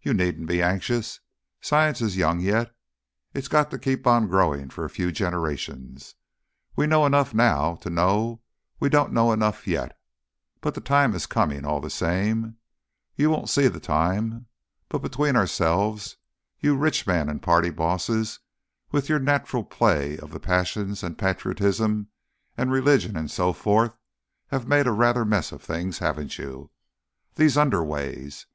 "You needn't be anxious. Science is young yet. It's got to keep on growing for a few generations. We know enough now to know we don't know enough yet.... But the time is coming, all the same. You won't see the time. But, between ourselves, you rich men and party bosses, with your natural play of the passions and patriotism and religion and so forth, have made rather a mess of things; haven't you? These Underways!